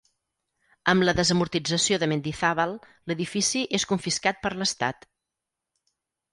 Amb la desamortització de Mendizábal, l'edifici és confiscat per l'Estat.